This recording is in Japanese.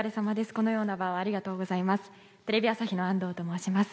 このような場をありがとうございます。